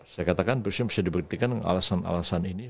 saya katakan presiden bisa dibuktikan alasan alasan ini